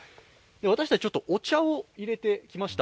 私たち、お茶を入れてきました。